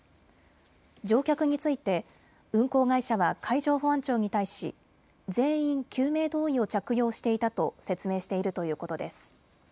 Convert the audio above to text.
乗客について運航会社は海上保安庁に対し全員、救命胴衣を着用していたと説明しているということです。